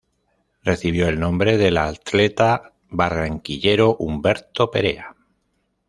Recibió el nombre del atleta barranquillero Humberto Perea.